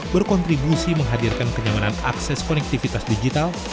berkontribusi menghadirkan kenyamanan akses konektivitas digital